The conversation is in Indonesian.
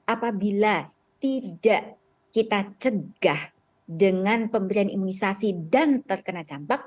apabila tidak kita cegah dengan pemberian imunisasi dan terkena campak